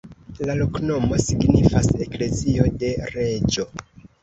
La loknomo signifas: eklezio de reĝo.